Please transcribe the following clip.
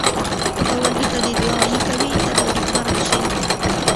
که ګاونډي ته دعایې کوې، ته به نېکمرغه شې